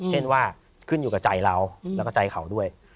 เช่นว่าขึ้นอยู่กับใจเราแล้วก็ใจเขาด้วย